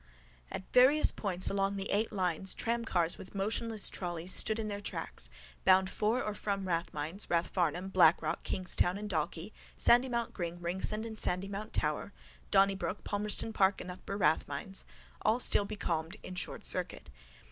At various points along the eight lines tramcars with motionless trolleys stood in their tracks, bound for or from Rathmines, Rathfarnham, Blackrock, Kingstown and Dalkey, Sandymount Green, Ringsend and Sandymount Tower, Donnybrook, Palmerston Park and Upper Rathmines, all still, becalmed in short circuit.